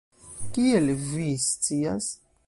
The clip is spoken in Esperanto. Kiel vi scias?